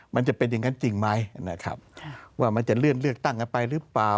มันจะเป็นอย่างนั้นจริงไหมนะครับว่ามันจะเลื่อนเลือกตั้งกันไปหรือเปล่า